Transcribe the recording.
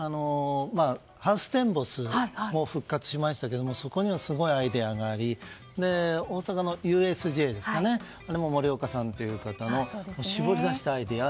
ハウステンボスも復活しましたけどそこにはすごいアイデアがあり大阪のＵＳＪもモリオカさんという方が絞り出したアイデア。